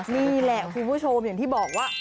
นี่แหละคุณผู้ชมอย่างที่บอกว่า